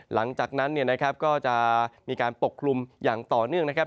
หลังจากนั้นเนี่ยนะครับก็จะมีการปกคลุมอย่างต่อเนื่องนะครับ